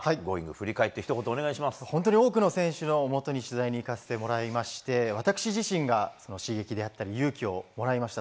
振り返って本当に多くの選手のもとに取材に行かせていただきまして私自身が刺激や勇気をもらいました。